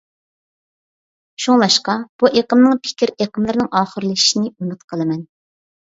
شۇڭلاشقا بۇ ئېقىمنىڭ پىكىر-ئېقىملىرىنىڭ ئاخىرلىشىشىنى ئۈمىد قىلىمەن.